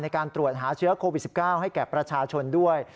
ในการตรวจหาเชื้อโควิด๑๙ให้แก่ประชาชนด้วย